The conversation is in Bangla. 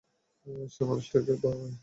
সে মানুষটি ভাবে।